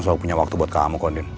selalu punya waktu buat kamu kok din